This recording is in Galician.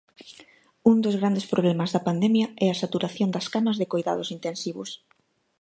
Un dos grandes problemas da pandemia é a saturación das camas de coidados intensivos.